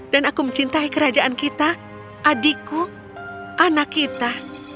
dan aku mencintai kerajaan kita adikku anak kita